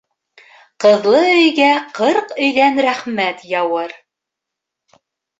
Ҡыҙлы өйгә ҡырҡ өйҙән рәхмәт яуыр.